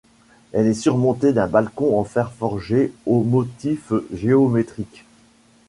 Elle est surmontée d'un balcon en fer forgé aux motifs géométriques.